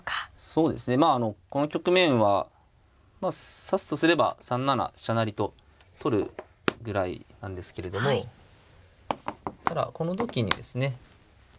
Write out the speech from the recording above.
そうですねまあこの局面は指すとすれば３七飛車成と取るぐらいなんですけれどもただこの時にですね